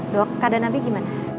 dok keadaan abi gimana